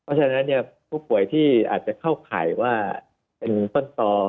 เพราะฉะนั้นผู้ป่วยที่อาจจะเข้าข่ายว่าเป็นต้นต่อ